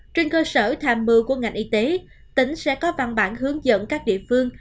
trên cơ sở tham mưu của ngành y tế tỉnh sẽ có văn bản hướng dẫn các địa phương